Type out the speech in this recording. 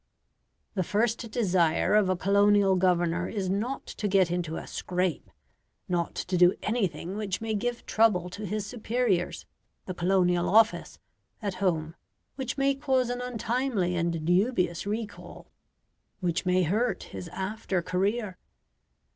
The first desire of a colonial governor is not to get into a "scrape," not to do anything which may give trouble to his superiors the Colonial Office at home, which may cause an untimely and dubious recall, which may hurt his after career.